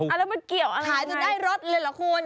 อะไรมันเกี่ยวขายตัวได้รถเลยเหรอคุณ